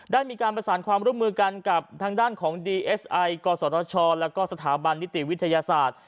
ได้มีการประสานความร่วมมือกันกับทางด้านของดีเอสไอกศชแล้วก็สถาบันนิติวิทยาศาสตร์